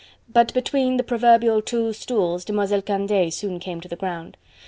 But between the proverbial two stools, Demoiselle Candeille soon came to the ground.